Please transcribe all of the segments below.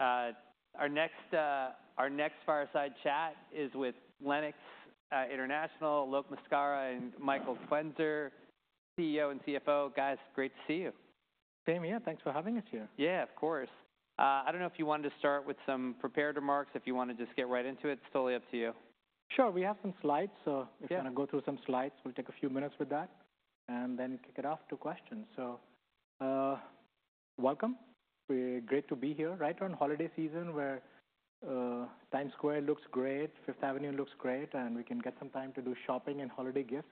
Our next fireside chat is with Lennox International, Alok Maskara, and Michael Quenzer, CEO and CFO. Guys, great to see you. Same, yeah. Thanks for having us here. Yeah, of course. I don't know if you wanted to start with some prepared remarks, if you want to just get right into it. It's totally up to you. Sure. We have some slides, so if you want to go through some slides, we'll take a few minutes with that and then kick it off to questions. So, welcome. We're great to be here, right, on holiday season where Times Square looks great, Fifth Avenue looks great, and we can get some time to do shopping and holiday gifts.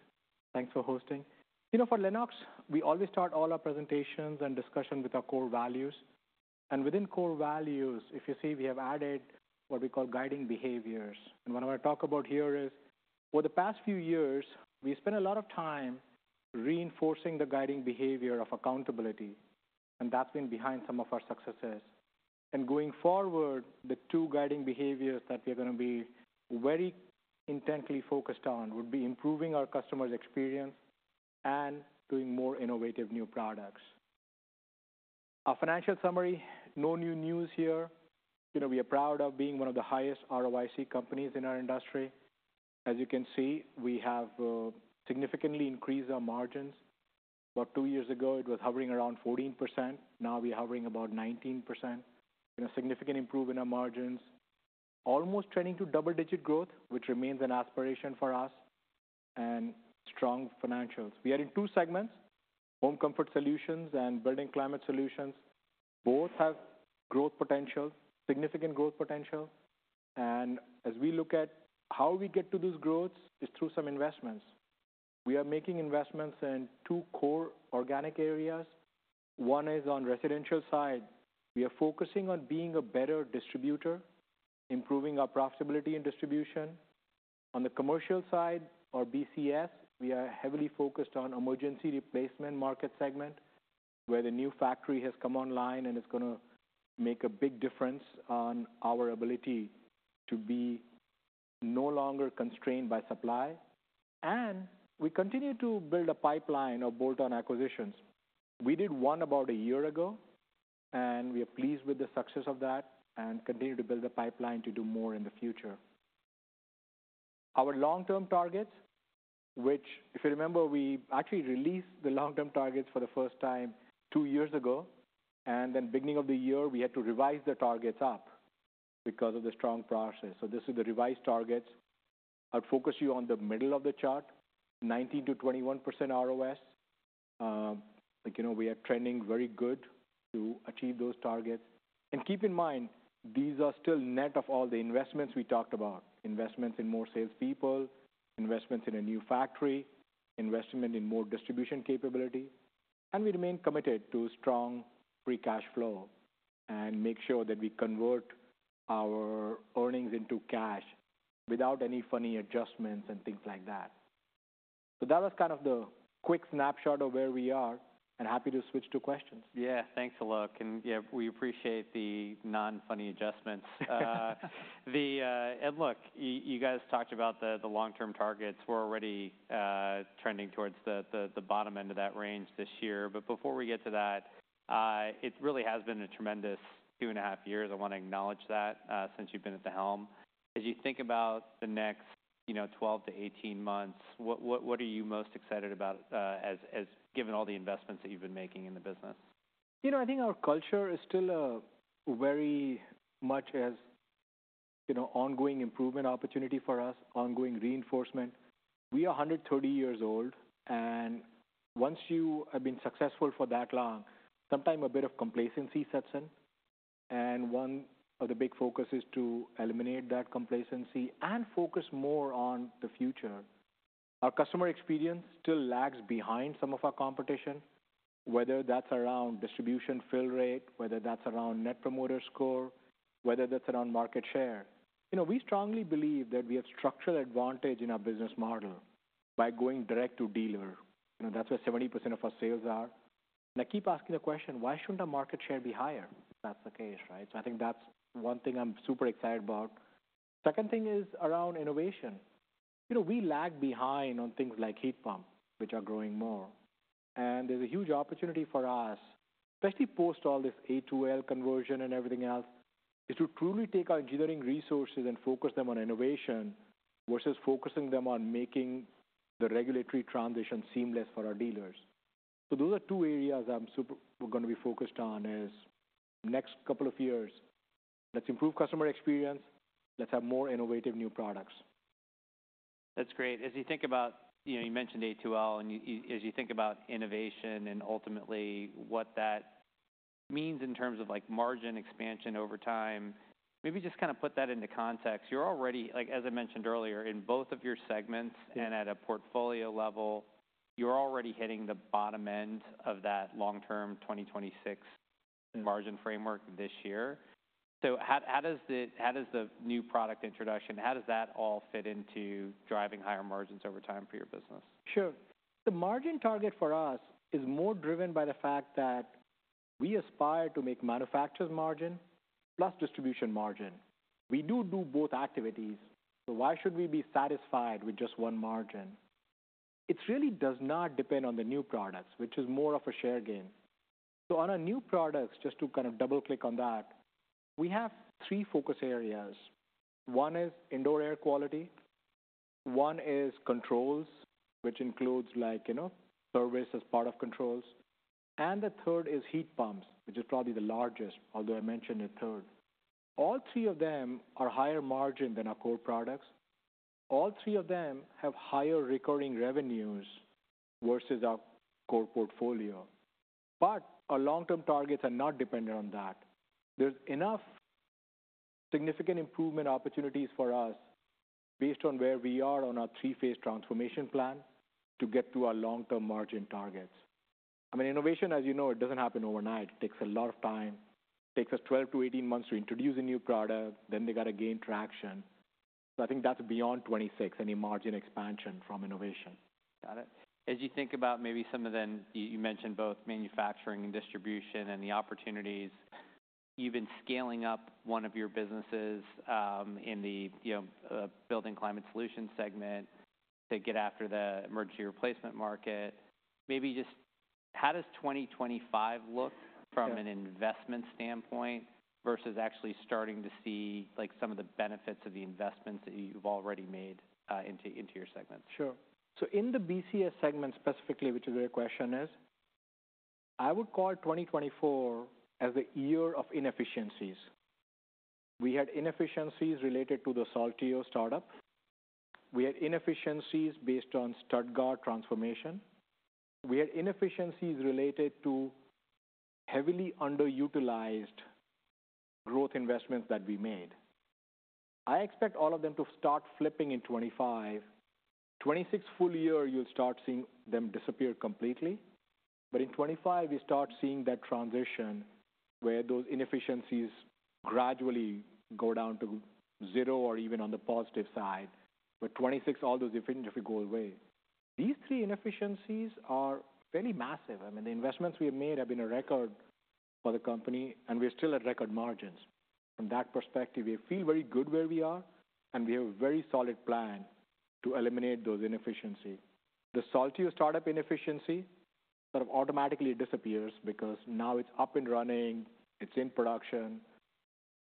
Thanks for hosting. You know, for Lennox, we always start all our presentations and discussion with our core values. And within core values, if you see, we have added what we call guiding behaviors. And what I want to talk about here is, over the past few years, we spent a lot of time reinforcing the guiding behavior of accountability, and that's been behind some of our successes. Going forward, the two guiding behaviors that we are going to be very intently focused on would be improving our customers' experience and doing more innovative new products. Our financial summary: no new news here. You know, we are proud of being one of the highest ROIC companies in our industry. As you can see, we have significantly increased our margins. About two years ago, it was hovering around 14%. Now we are hovering about 19%. You know, significant improvement in our margins, almost trending to double-digit growth, which remains an aspiration for us, and strong financials. We are in two segments: Home Comfort Solutions and Building Climate Solutions. Both have growth potential, significant growth potential. And as we look at how we get to those growths, it is through some investments. We are making investments in two core organic areas. One is on the residential side. We are focusing on being a better distributor, improving our profitability in distribution. On the commercial side, or BCS, we are heavily focused on the emergency replacement market segment, where the new factory has come online and is going to make a big difference on our ability to be no longer constrained by supply, and we continue to build a pipeline of bolt-on acquisitions. We did one about a year ago, and we are pleased with the success of that and continue to build the pipeline to do more in the future. Our long-term targets, which, if you remember, we actually released the long-term targets for the first time two years ago, and then, beginning of the year, we had to revise the targets up because of the strong progress, so this is the revised targets. I'll focus you on the middle of the chart: 19%-21% ROS. like, you know, we are trending very good to achieve those targets. And keep in mind, these are still net of all the investments we talked about: investments in more salespeople, investments in a new factory, investment in more distribution capability. And we remain committed to strong free cash flow and make sure that we convert our earnings into cash without any funny adjustments and things like that. So that was kind of the quick snapshot of where we are, and happy to switch to questions. Yeah, thanks, Alok. And yeah, we appreciate the non-funny adjustments. And look, you guys talked about the long-term targets. We're already trending towards the bottom end of that range this year. But before we get to that, it really has been a tremendous two and a half years. I want to acknowledge that, since you've been at the helm. As you think about the next, you know, 12 to 18 months, what are you most excited about, as given all the investments that you've been making in the business? You know, I think our culture is still very much, as you know, ongoing improvement opportunity for us, ongoing reinforcement. We are 130 years old, and once you have been successful for that long, sometimes a bit of complacency sets in, and one of the big focuses to eliminate that complacency and focus more on the future. Our customer experience still lags behind some of our competition, whether that's around distribution fill rate, whether that's around Net Promoter Score, whether that's around market share. You know, we strongly believe that we have structural advantage in our business model by going direct to dealer. You know, that's where 70% of our sales are, and I keep asking the question, why shouldn't our market share be higher? That's the case, right? So I think that's one thing I'm super excited about. Second thing is around innovation. You know, we lag behind on things like heat pump, which are growing more. And there's a huge opportunity for us, especially post all this A2L conversion and everything else, is to truly take our engineering resources and focus them on innovation versus focusing them on making the regulatory transition seamless for our dealers. So those are two areas I'm super going to be focused on as next couple of years. Let's improve customer experience. Let's have more innovative new products. That's great. As you think about, you know, you mentioned A2L, and as you think about innovation and ultimately what that means in terms of, like, margin expansion over time, maybe just kind of put that into context. You're already, like, as I mentioned earlier, in both of your segments and at a portfolio level, you're already hitting the bottom end of that long-term 2026 margin framework this year. So how does the new product introduction, how does that all fit into driving higher margins over time for your business? Sure. The margin target for us is more driven by the fact that we aspire to make manufacturers' margin plus distribution margin. We do do both activities, so why should we be satisfied with just one margin? It really does not depend on the new products, which is more of a share gain. So on our new products, just to kind of double-click on that, we have three focus areas. One is indoor air quality. One is controls, which includes, like, you know, service as part of controls. And the third is heat pumps, which is probably the largest, although I mentioned the third. All three of them are higher margin than our core products. All three of them have higher recurring revenues versus our core portfolio. But our long-term targets are not dependent on that. There's enough significant improvement opportunities for us based on where we are on our three-phase transformation plan to get to our long-term margin targets. I mean, innovation, as you know, it doesn't happen overnight. It takes a lot of time. It takes us 12 to 18 months to introduce a new product. Then they got to gain traction. So I think that's beyond 2026, any margin expansion from innovation. Got it. As you think about maybe some of them, you mentioned both manufacturing and distribution and the opportunities. You've been scaling up one of your businesses, in the, you know, building climate solutions segment to get after the emergency replacement market. Maybe just how does 2025 look from an investment standpoint versus actually starting to see, like, some of the benefits of the investments that you've already made, into your segments? Sure. So in the BCS segment specifically, which is where your question is, I would call 2024 as the year of inefficiencies. We had inefficiencies related to the Saltillo startup. We had inefficiencies based on Stuttgart transformation. We had inefficiencies related to heavily underutilized growth investments that we made. I expect all of them to start flipping in 2025. 2026 full year, you'll start seeing them disappear completely. But in 2025, we start seeing that transition where those inefficiencies gradually go down to zero or even on the positive side. But 2026, all those efficiencies will go away. These three inefficiencies are fairly massive. I mean, the investments we have made have been a record for the company, and we're still at record margins. From that perspective, we feel very good where we are, and we have a very solid plan to eliminate those inefficiencies. The Saltillo startup inefficiency sort of automatically disappears because now it's up and running. It's in production.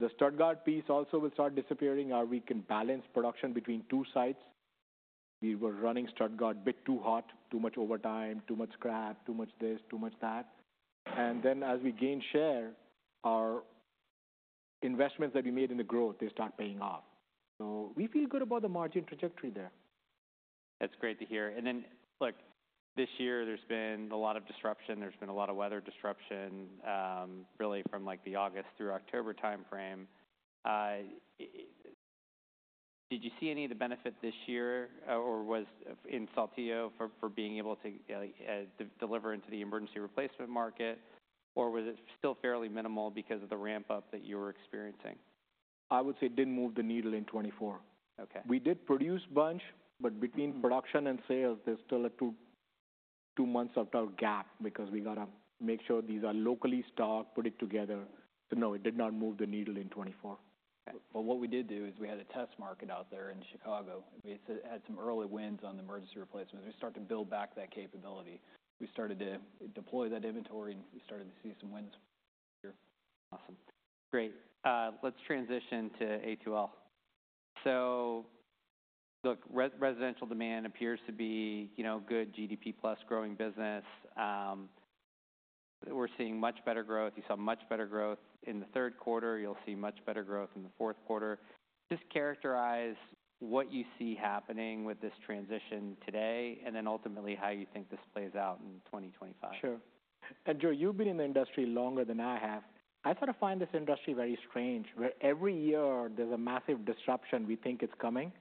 The Stuttgart piece also will start disappearing or we can balance production between two sites. We were running Stuttgart a bit too hot, too much overtime, too much scrap, too much this, too much that. And then, as we gain share, our investments that we made in the growth, they start paying off. So we feel good about the margin trajectory there. That's great to hear, and then, look, this year, there's been a lot of disruption. There's been a lot of weather disruption, really from, like, the August through October timeframe. Did you see any of the benefit this year, or was it in Saltillo for being able to, like, deliver into the emergency replacement market, or was it still fairly minimal because of the ramp-up that you were experiencing? I would say it didn't move the needle in 2024. Okay. We did produce a bunch, but between production and sales, there's still a two months or so gap because we got to make sure these are locally stocked, put it together. So no, it did not move the needle in 2024. Okay. But what we did do is we had a test market out there in Chicago. We had some early wins on the emergency replacements. We started to build back that capability. We started to deploy that inventory, and we started to see some wins this year. Awesome. Great. Let's transition to A2L. So, look, residential demand appears to be, you know, good GDP-plus growing business. We're seeing much better growth. You saw much better growth in the third quarter. You'll see much better growth in the fourth quarter. Just characterize what you see happening with this transition today and then ultimately how you think this plays out in 2025. Sure. And Joe, you've been in the industry longer than I have. I sort of find this industry very strange where every year there's a massive disruption. We think it's coming,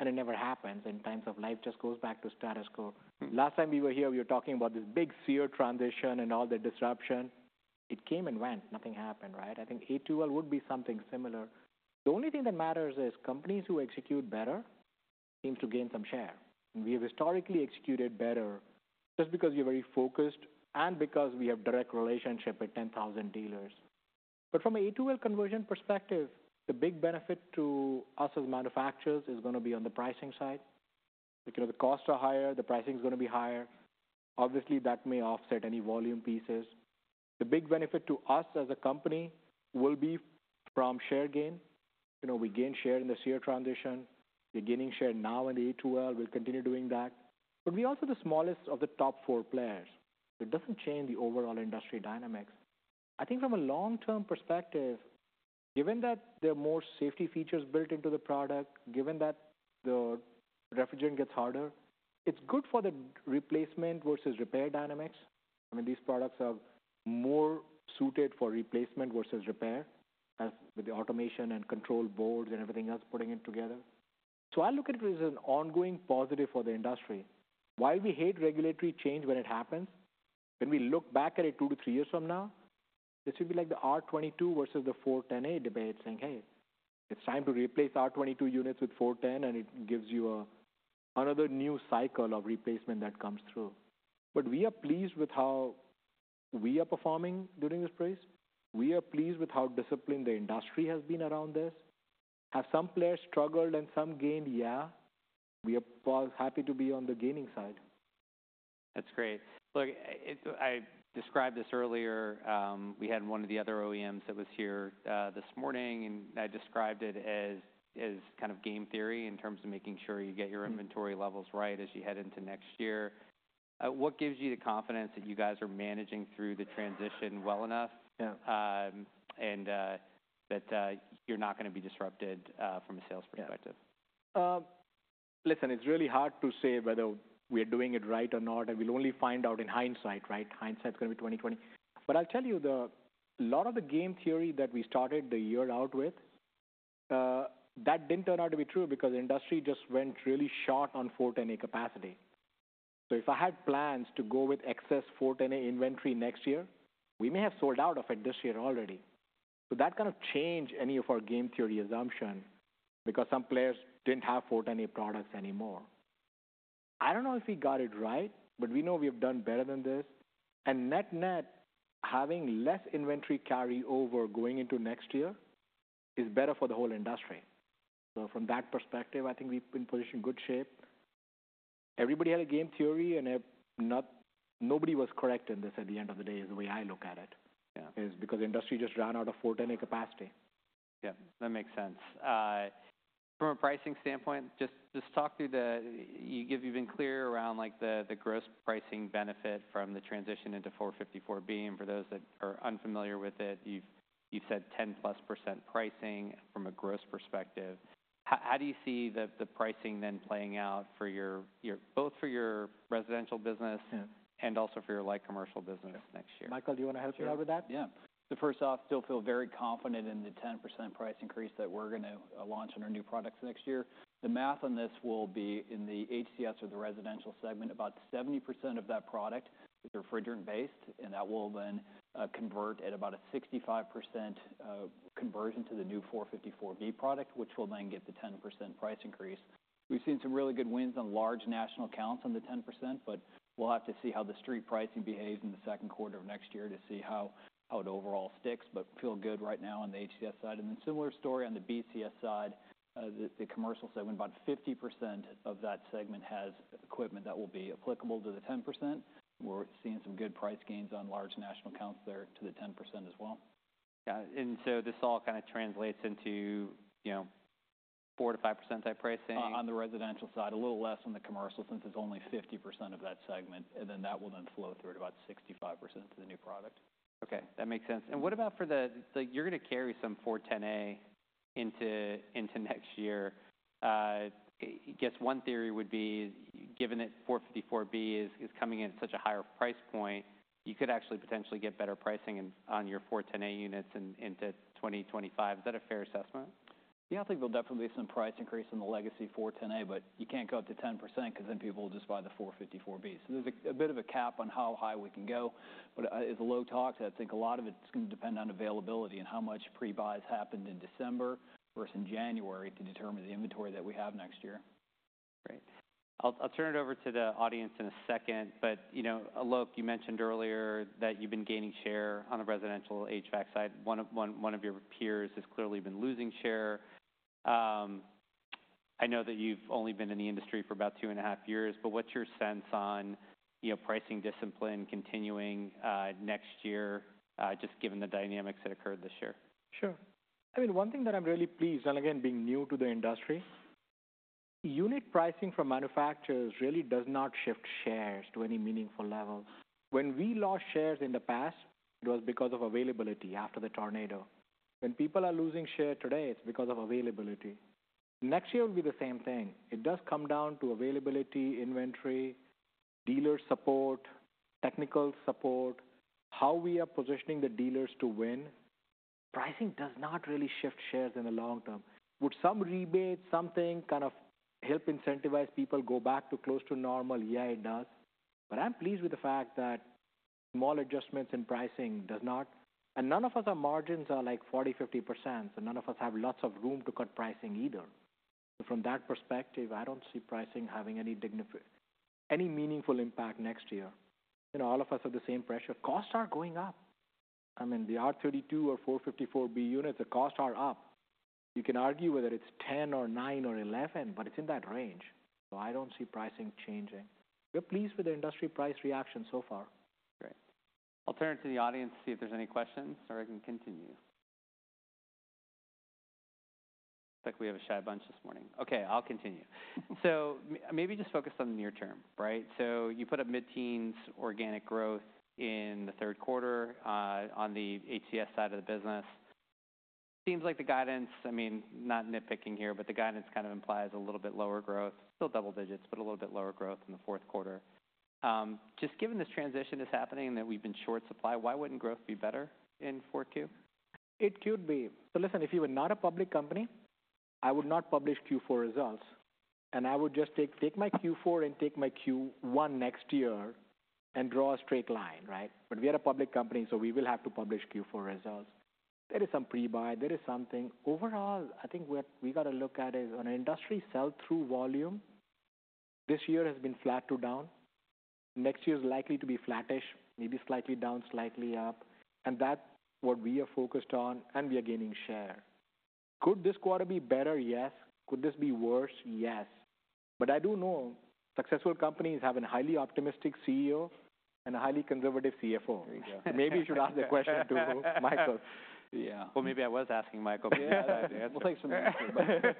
and it never happens. And the status quo just goes back to status quo. Last time we were here, we were talking about this big SEER transition and all the disruption. It came and went. Nothing happened, right? I think A2L would be something similar. The only thing that matters is companies who execute better seem to gain some share. And we have historically executed better just because we are very focused and because we have a direct relationship with 10,000 dealers. But from an A2L conversion perspective, the big benefit to us as manufacturers is going to be on the pricing side. You know, the costs are higher. The pricing is going to be higher. Obviously, that may offset any volume pieces. The big benefit to us as a company will be from share gain. You know, we gained share in the SEER transition. We're gaining share now in the A2L. We'll continue doing that. But we are also the smallest of the top four players. So it doesn't change the overall industry dynamics. I think from a long-term perspective, given that there are more safety features built into the product, given that the refrigerant gets harder, it's good for the replacement versus repair dynamics. I mean, these products are more suited for replacement versus repair with the automation and control boards and everything else putting it together. So I look at it as an ongoing positive for the industry. While we hate regulatory change when it happens, when we look back at it two to three years from now, this would be like the R-22 versus the 410A debate saying, "Hey, it's time to replace R-22 units with 410A," and it gives you another new cycle of replacement that comes through. But we are pleased with how we are performing during this price. We are pleased with how disciplined the industry has been around this. Have some players struggled and some gained? Yeah. We are happy to be on the gaining side. That's great. Look, I described this earlier. We had one of the other OEMs that was here, this morning, and I described it as kind of game theory in terms of making sure you get your inventory levels right as you head into next year. What gives you the confidence that you guys are managing through the transition well enough? Yeah. and that you're not going to be disrupted from a sales perspective? Yeah. Listen, it's really hard to say whether we are doing it right or not, and we'll only find out in hindsight, right? Hindsight is going to be 2020. But I'll tell you, a lot of the game theory that we started the year out with, that didn't turn out to be true because the industry just went really short on 410A capacity. So if I had plans to go with excess 410A inventory next year, we may have sold out of it this year already. So that kind of changed any of our game theory assumption because some players didn't have 410A products anymore. I don't know if we got it right, but we know we have done better than this. And net-net having less inventory carryover going into next year is better for the whole industry. So from that perspective, I think we've been positioned in good shape. Everybody had a game theory, and nobody was correct in this. In this, at the end of the day, is the way I look at it. Yeah. Is because the industry just ran out of 410A capacity. Yeah. That makes sense. From a pricing standpoint, just talk through the, you've been clear around, like, the gross pricing benefit from the transition into 454B. And for those that are unfamiliar with it, you've said 10+% pricing from a gross perspective. How do you see the pricing then playing out for your, both for your residential business and also for your light commercial business next year? Michael, do you want to help me out with that? Yeah. Yeah. So first off, still feel very confident in the 10% price increase that we're going to launch on our new products next year. The math on this will be in the HCS or the residential segment, about 70% of that product is refrigerant-based, and that will then convert at about a 65% conversion to the new 454B product, which will then get the 10% price increase. We've seen some really good wins on large national counts on the 10%, but we'll have to see how the street pricing behaves in the second quarter of next year to see how it overall sticks, but feel good right now on the HCS side. And then similar story on the BCS side, the commercial segment, about 50% of that segment has equipment that will be applicable to the 10%. We're seeing some good price gains on large national counts there to the 10% as well. Yeah, and so this all kind of translates into, you know, 4%-5% type pricing. On the residential side, a little less on the commercial since it's only 50% of that segment, and then that will then flow through at about 65% to the new product. Okay. That makes sense. And what about for the, you're going to carry some 410A into next year. I guess one theory would be given that 454B is coming in at such a higher price point, you could actually potentially get better pricing on your 410A units into 2025. Is that a fair assessment? Yeah. I think there'll definitely be some price increase on the legacy 410A, but you can't go up to 10% because then people will just buy the 454B. So there's a bit of a cap on how high we can go. But overall, I think a lot of it's going to depend on availability and how much pre-buys happened in December versus January to determine the inventory that we have next year. Great. I'll turn it over to the audience in a second. But, you know, Alok, you mentioned earlier that you've been gaining share on the residential HVAC side. One of your peers has clearly been losing share. I know that you've only been in the industry for about two and a half years, but what's your sense on, you know, pricing discipline continuing, next year, just given the dynamics that occurred this year? Sure. I mean, one thing that I'm really pleased, and again, being new to the industry, unit pricing for manufacturers really does not shift shares to any meaningful level. When we lost shares in the past, it was because of availability after the tornado. When people are losing share today, it's because of availability. Next year will be the same thing. It does come down to availability, inventory, dealer support, technical support, how we are positioning the dealers to win. Pricing does not really shift shares in the long term. Would some rebates, something kind of help incentivize people to go back to close to normal? Yeah, it does. But I'm pleased with the fact that small adjustments in pricing do not, and none of our margins are like 40%-50%, so none of us have lots of room to cut pricing either. So from that perspective, I don't see pricing having any meaningful impact next year. You know, all of us have the same pressure. Costs are going up. I mean, the R-32 or 454B units, the costs are up. You can argue whether it's 10 or nine or 11, but it's in that range. So I don't see pricing changing. We're pleased with the industry price reaction so far. Great. I'll turn it to the audience to see if there's any questions, or I can continue. Looks like we have a shy bunch this morning. Okay. I'll continue. So maybe just focus on the near term, right? So you put up mid-teens organic growth in the third quarter, on the HCS side of the business. Seems like the guidance, I mean, not nitpicking here, but the guidance kind of implies a little bit lower growth, still double digits, but a little bit lower growth in the fourth quarter. Just given this transition is happening that we've been short supply, why wouldn't growth be better in 4Q? It could be. So listen, if you were not a public company, I would not publish Q4 results, and I would just take my Q4 and take my Q1 next year and draw a straight line, right? But we are a public company, so we will have to publish Q4 results. There is some pre-buy. There is something. Overall, I think what we got to look at is on an industry sell-through volume, this year has been flat to down. Next year is likely to be flattish, maybe slightly down, slightly up. And that's what we are focused on, and we are gaining share. Could this quarter be better? Yes. Could this be worse? Yes. But I do know successful companies have a highly optimistic CEO and a highly conservative CFO. There you go. Maybe you should ask the question to Michael. Yeah. Well, maybe I was asking Michael. Yeah. Thanks for the answer.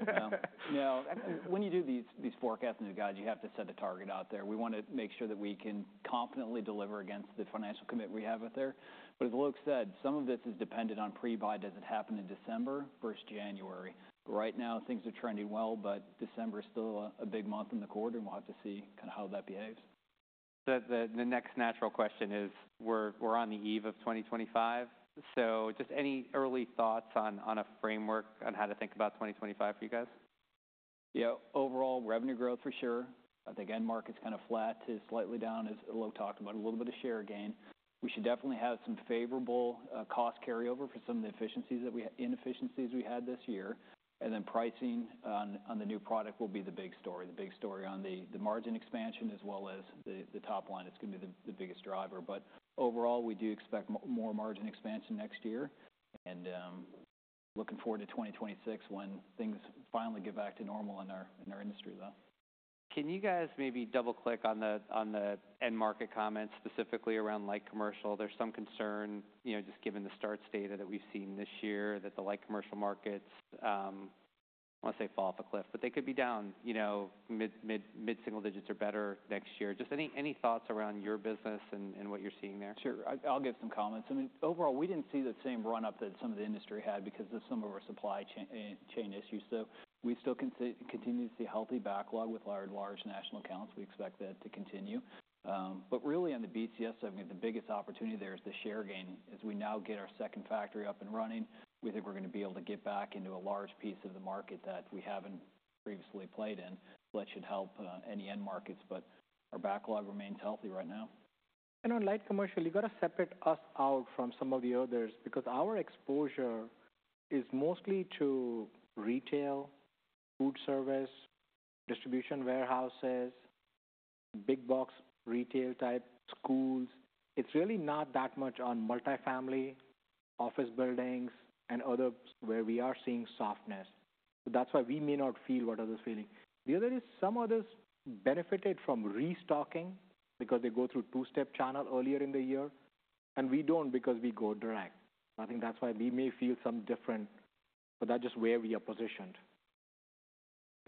No. When you do these forecasts and new guides, you have to set a target out there. We want to make sure that we can confidently deliver against the financial commitment we have out there. But as Alok said, some of this is dependent on pre-buy does it happen in December versus January. Right now, things are trending well, but December is still a big month in the quarter, and we'll have to see kind of how that behaves. The next natural question is we're on the eve of 2025. So just any early thoughts on a framework on how to think about 2025 for you guys? Yeah. Overall revenue growth for sure. I think end markets are kind of flat to slightly down, as Alok talked about, a little bit of share gain. We should definitely have some favorable cost carryover for some of the inefficiencies we had this year. And then pricing on the new product will be the big story. The big story on the margin expansion as well as the top line. It's going to be the biggest driver. But overall, we do expect more margin expansion next year. And looking forward to 2026 when things finally get back to normal in our industry, though. Can you guys maybe double-click on the end market comments specifically around light commercial? There's some concern, you know, just given the starts data that we've seen this year that the light commercial markets, I want to say fall off a cliff, but they could be down, you know, mid-single digits or better next year. Just any thoughts around your business and what you're seeing there? Sure. I'll give some comments. I mean, overall, we didn't see the same run-up that some of the industry had because of some of our supply chain issues. So we still continue to see healthy backlog with large national counts. We expect that to continue. But really on the BCS segment, the biggest opportunity there is the share gain. As we now get our second factory up and running, we think we're going to be able to get back into a large piece of the market that we haven't previously played in. That should help any end markets, but our backlog remains healthy right now. And on light commercial, you got to separate us out from some of the others because our exposure is mostly to retail, food service, distribution warehouses, big box retail type, schools. It's really not that much on multifamily, office buildings, and others where we are seeing softness. So that's why we may not feel what others are feeling. The other is some others benefited from restocking because they go through two-step channel earlier in the year, and we don't because we go direct. I think that's why we may feel some different, but that's just where we are positioned.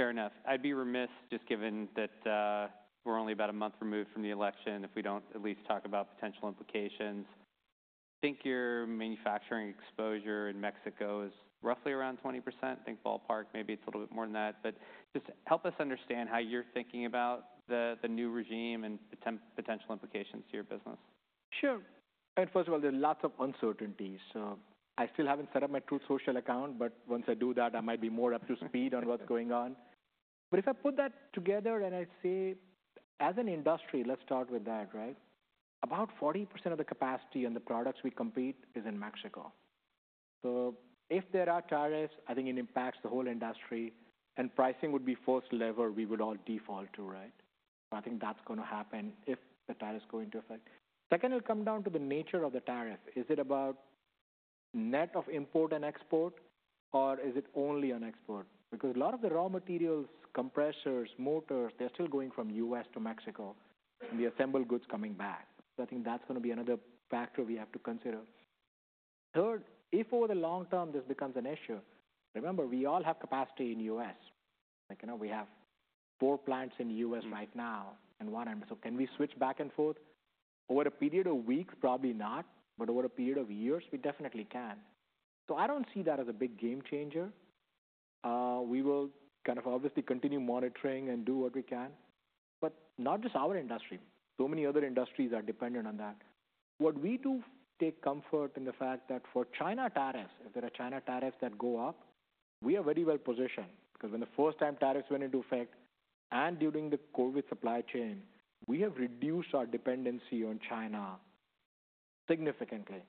Fair enough. I'd be remiss just given that we're only about a month removed from the election if we don't at least talk about potential implications. I think your manufacturing exposure in Mexico is roughly around 20%. I think ballpark, maybe it's a little bit more than that. But just help us understand how you're thinking about the new regime and potential implications to your business. Sure. And first of all, there's lots of uncertainties. I still haven't set up my Truth Social account, but once I do that, I might be more up to speed on what's going on. But if I put that together and I say, as an industry, let's start with that, right? About 40% of the capacity on the products we compete is in Mexico. So if there are tariffs, I think it impacts the whole industry, and pricing would be first lever we would all default to, right? I think that's going to happen if the tariffs go into effect. Second, it'll come down to the nature of the tariff. Is it about net of import and export, or is it only on export? Because a lot of the raw materials, compressors, motors, they're still going from U.S. to Mexico, and the assembled goods coming back. So I think that's going to be another factor we have to consider. Third, if over the long term this becomes an issue, remember, we all have capacity in the U.S. Like, you know, we have four plants in the U.S. right now and one in Brazil. Can we switch back and forth? Over a period of weeks, probably not, but over a period of years, we definitely can. So I don't see that as a big game changer. We will kind of obviously continue monitoring and do what we can, but not just our industry. So many other industries are dependent on that. What we do take comfort in the fact that for China tariffs, if there are China tariffs that go up, we are very well positioned because when the first time tariffs went into effect and during the COVID supply chain, we have reduced our dependency on China significantly,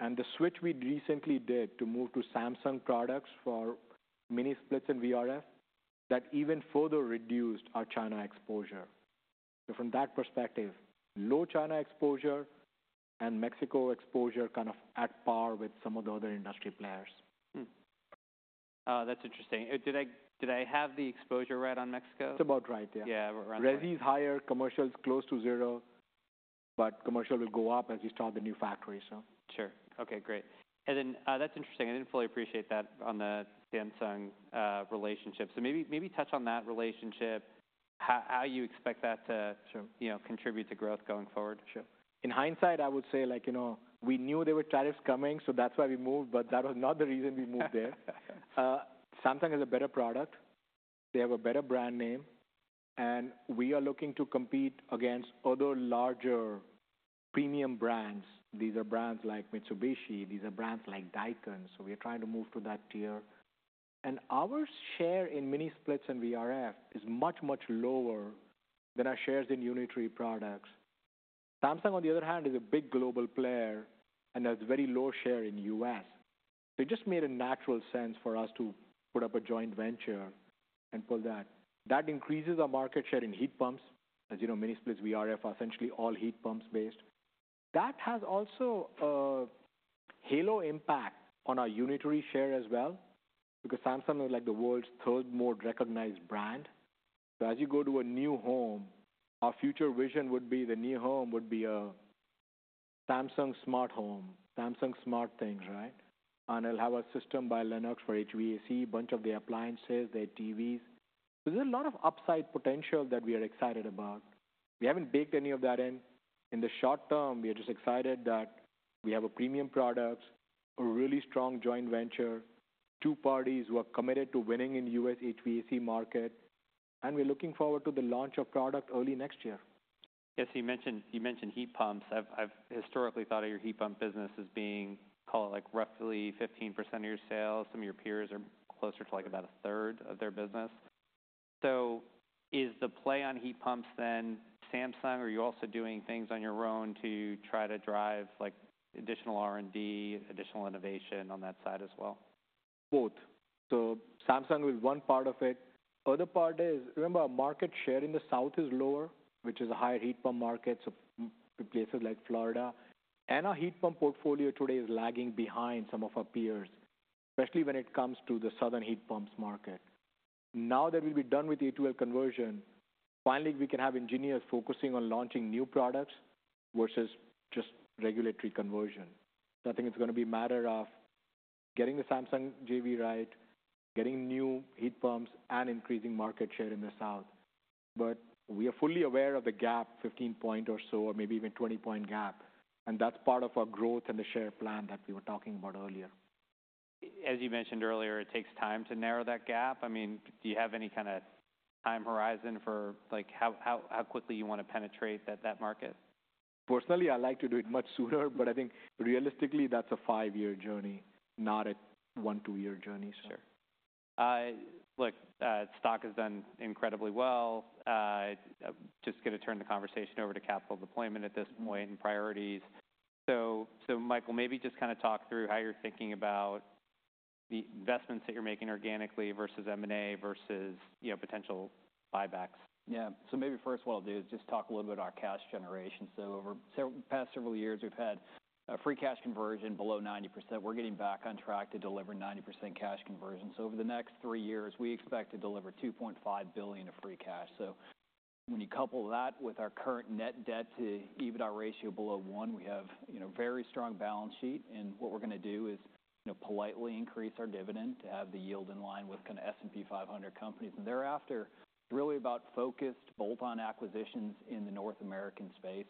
and the switch we recently did to move to Samsung products for mini splits and VRF, that even further reduced our China exposure, so from that perspective, low China exposure and Mexico exposure kind of at par with some of the other industry players. That's interesting. Did I have the exposure right on Mexico? It's about right, yeah. Yeah. Resi is higher, commercial is close to zero, but commercial will go up as we start the new factory, so. Sure. Okay. Great. And then that's interesting. I didn't fully appreciate that on the Samsung relationship. So maybe touch on that relationship, how you expect that to, you know, contribute to growth going forward. Sure. In hindsight, I would say, like, you know, we knew there were tariffs coming, so that's why we moved, but that was not the reason we moved there. Samsung has a better product. They have a better brand name, and we are looking to compete against other larger premium brands. These are brands like Mitsubishi. These are brands like Daikin. So we are trying to move to that tier. And our share in mini splits and VRF is much, much lower than our shares in unitary products. Samsung, on the other hand, is a big global player and has very low share in the U.S. So it just made a natural sense for us to put up a joint venture and pool that. That increases our market share in heat pumps. As you know, mini splits, VRF are essentially all heat pumps based. That has also a halo impact on our unitary share as well because Samsung is like the world's third most recognized brand. So as you go to a new home, our future vision would be the new home would be a Samsung Smart Home, Samsung SmartThings, right? And it'll have a system by Lennox for HVAC, a bunch of the appliances, their TVs. So there's a lot of upside potential that we are excited about. We haven't baked any of that in. In the short term, we are just excited that we have premium products, a really strong joint venture, two parties who are committed to winning in the U.S. HVAC market, and we're looking forward to the launch of product early next year. Yes. You mentioned heat pumps. I've historically thought of your heat pump business as being, call it like roughly 15% of your sales. Some of your peers are closer to like about a third of their business. So is the play on heat pumps then Samsung, or are you also doing things on your own to try to drive like additional R&D, additional innovation on that side as well? Both. So Samsung is one part of it. The other part is, remember, our market share in the south is lower, which is a higher heat pump market, so places like Florida. And our heat pump portfolio today is lagging behind some of our peers, especially when it comes to the southern heat pumps market. Now that we'll be done with the A2L conversion, finally, we can have engineers focusing on launching new products versus just regulatory conversion. So I think it's going to be a matter of getting the Samsung JV right, getting new heat pumps, and increasing market share in the south. But we are fully aware of the gap, 15-point or so, or maybe even 20-point gap. And that's part of our growth and the share plan that we were talking about earlier. As you mentioned earlier, it takes time to narrow that gap. I mean, do you have any kind of time horizon for like how quickly you want to penetrate that market? Personally, I like to do it much sooner, but I think realistically, that's a five-year journey, not a one, two-year journey. Sure. Look, stock has done incredibly well. Just going to turn the conversation over to capital deployment at this point and priorities. So Michael, maybe just kind of talk through how you're thinking about the investments that you're making organically versus M&A versus, you know, potential buybacks. Yeah. So maybe first what I'll do is just talk a little bit about our cash generation. So over the past several years, we've had free cash conversion below 90%. We're getting back on track to deliver 90% cash conversion. So over the next three years, we expect to deliver $2.5 billion of free cash. So when you couple that with our current net debt to EBITDA ratio below one, we have, you know, very strong balance sheet. And what we're going to do is, you know, politely increase our dividend to have the yield in line with kind of S&P 500 companies. And thereafter, really about focused bolt-on acquisitions in the North American space.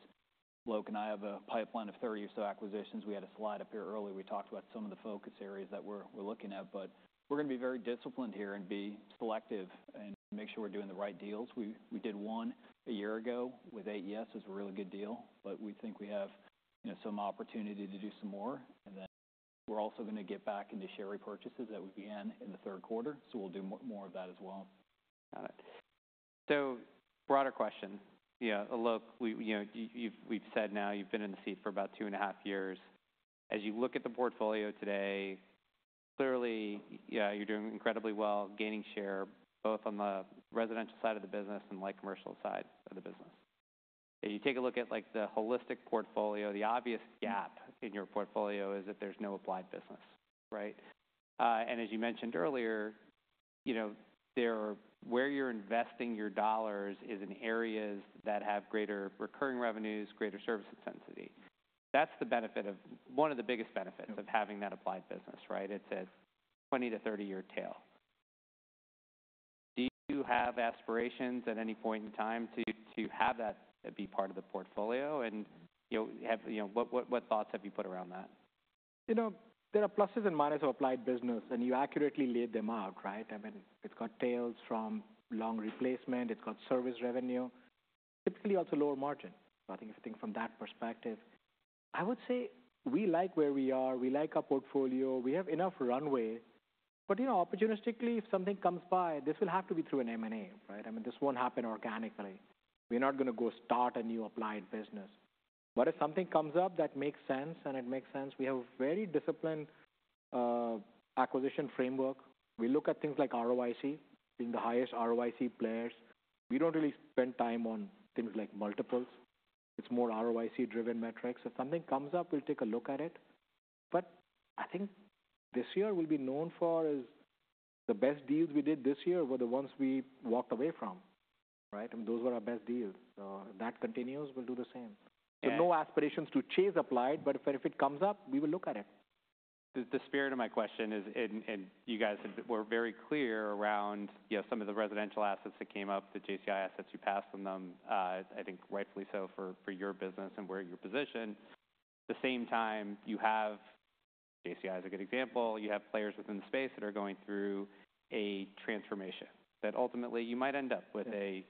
Alok and I have a pipeline of 30 or so acquisitions. We had a slide up here earlier. We talked about some of the focus areas that we're looking at, but we're going to be very disciplined here and be selective and make sure we're doing the right deals. We did one a year ago with AES was a really good deal, but we think we have, you know, some opportunity to do some more, and then we're also going to get back into share repurchases that we began in the third quarter, so we'll do more of that as well. Got it, so broader question, you know, Alok, you know, we've said now you've been in the seat for about two and a half years. As you look at the portfolio today, clearly, yeah, you're doing incredibly well, gaining share both on the residential side of the business and light commercial side of the business. As you take a look at like the holistic portfolio, the obvious gap in your portfolio is that there's no applied business, right? And as you mentioned earlier, you know, where you're investing your dollars is in areas that have greater recurring revenues, greater service intensity. That's the benefit of one of the biggest benefits of having that applied business, right? It's a 20- to 30-year tail. Do you have aspirations at any point in time to have that be part of the portfolio, and you know, what thoughts have you put around that? You know, there are pluses and minuses of applied business, and you accurately laid them out, right? I mean, it's got tails from long replacement. It's got service revenue. Typically, also lower margin. So I think if you think from that perspective, I would say we like where we are. We like our portfolio. We have enough runway. But, you know, opportunistically, if something comes by, this will have to be through an M&A, right? I mean, this won't happen organically. We're not going to go start a new applied business. But if something comes up that makes sense, and it makes sense, we have a very disciplined acquisition framework. We look at things like ROIC, being the highest ROIC players. We don't really spend time on things like multiples. It's more ROIC-driven metrics. If something comes up, we'll take a look at it. But I think this year we'll be known for is the best deals we did this year were the ones we walked away from, right? I mean, those were our best deals. So if that continues, we'll do the same. So no aspirations to chase applied, but if it comes up, we will look at it. The spirit of my question is, and you guys were very clear around, you know, some of the residential assets that came up, the JCI assets you passed on them, I think rightfully so for your business and where you're positioned. At the same time, you have, JCI is a good example, you have players within the space that are going through a transformation that ultimately you might end up with a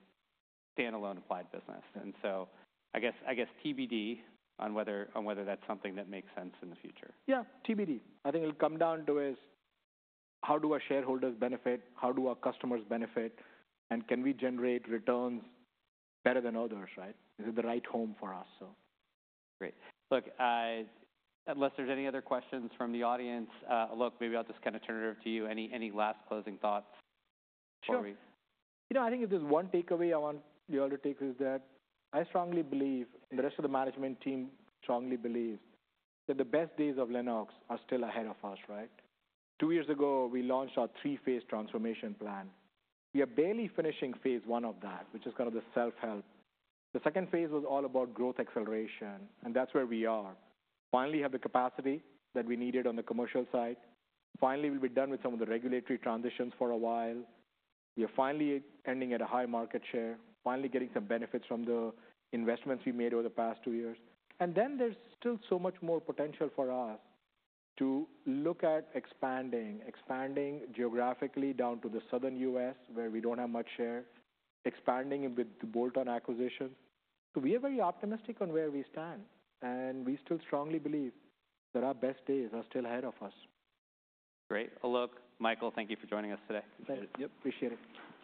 standalone applied business, and so I guess TBD on whether that's something that makes sense in the future. Yeah, TBD. I think it'll come down to is how do our shareholders benefit? How do our customers benefit? And can we generate returns better than others, right? Is it the right home for us? Great. Look, unless there's any other questions from the audience, Alok, maybe I'll just kind of turn it over to you. Any last closing thoughts? Sure. You know, I think if there's one takeaway I want you all to take is that I strongly believe, and the rest of the management team strongly believes, that the best days of Lennox are still ahead of us, right? Two years ago, we launched our three-phase transformation plan. We are barely finishing phase one of that, which is kind of the self-help. The second phase was all about growth acceleration, and that's where we are. Finally, we have the capacity that we needed on the commercial side. Finally, we'll be done with some of the regulatory transitions for a while. We are finally ending at a high market share, finally getting some benefits from the investments we made over the past two years. And then there's still so much more potential for us to look at expanding, expanding geographically down to the southern U.S. where we don't have much share, expanding it with the bolt-on acquisitions. So we are very optimistic on where we stand, and we still strongly believe that our best days are still ahead of us. Great. Alok, Michael, thank you for joining us today. Appreciate it.